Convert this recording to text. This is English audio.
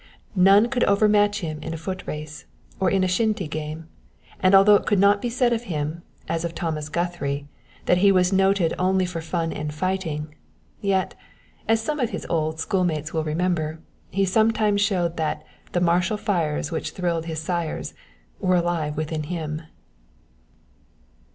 None could overmatch him in a foot race, or in a shinty game, and although it could not be said of him, as of Thomas Guthrie, that he was noted only for fun and fighting, yet, as some of his old schoolmates will remember, he sometimes showed that "the martial fires which thrilled his sires" were alive within him.